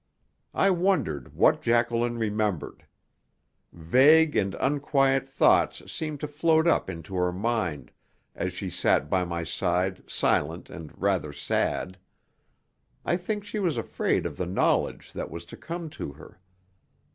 I wondered what Jacqueline remembered. Vague and unquiet thoughts seemed to float up into her mind, and she sat by my side silent and rather sad. I think she was afraid of the knowledge that was to come to her.